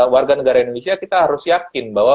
warga negara indonesia kita harus yakin bahwa